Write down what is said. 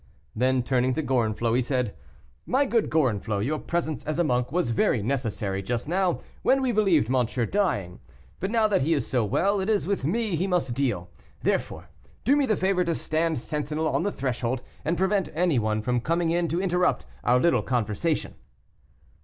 Then, turning to Gorenflot, he said, "My good Gorenflot, your presence as monk was very necessary just now, when we believed monsieur dying; but now that he is so well, it is with me he must deal; therefore, do me the favor to stand sentinel on the threshold, and prevent any one from coming in to interrupt our little conversation."